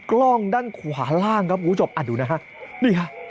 กล้องด้านขวาล่างครับคุณผู้ชมอ่ะดูนะฮะนี่ฮะ